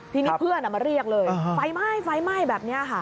ที่มีเพื่อนมาเรียกเลยไฟไหม้แบบนี้ค่ะ